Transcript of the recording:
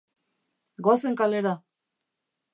Goazen kalera.